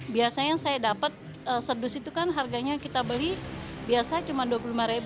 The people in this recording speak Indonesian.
biasanya yang saya dapat serdus itu kan harganya kita beli biasa cuma rp dua puluh lima